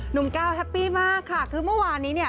หนุ่มแก้วแฮปปี้มากค่ะคือเมื่อวานนี้เนี่ย